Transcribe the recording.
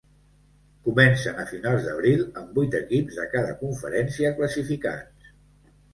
Comencen a finals d'abril, amb vuit equips de cada conferència classificats.